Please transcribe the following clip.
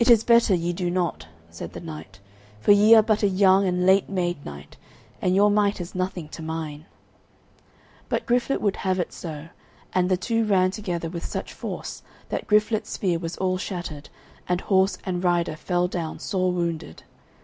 "It is better ye do not," said the knight, "for ye are but a young and late made knight, and your might is nothing to mine." But Griflet would have it so, and the two ran together with such force that Griflet's spear was all shattered, and horse and rider fell down sore wounded.